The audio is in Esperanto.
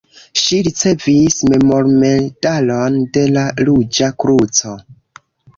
Ŝi ricevis memormedalon de la Ruĝa Kruco.